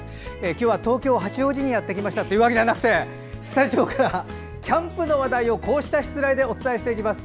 今日は東京・八王子にやってきましたというわけじゃなくてスタジオからキャンプの話題をこうしたしつらえでお伝えしていきます。